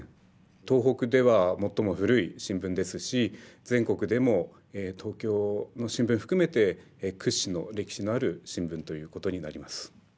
東北では最も古い新聞ですし全国でも東京の新聞含めて屈指の歴史のある新聞ということになります。